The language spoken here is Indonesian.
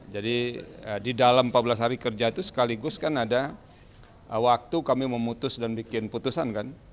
jadi di dalam empat belas hari kerja itu sekaligus kan ada waktu kami memutus dan bikin putusan kan